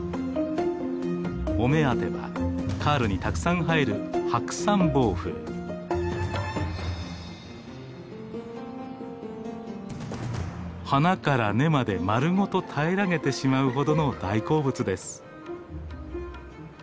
お目当てはカールにたくさん生える花から根まで丸ごと平らげてしまうほどの大好物です。